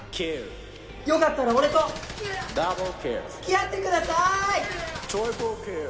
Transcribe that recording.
よかったら俺と付き合ってください。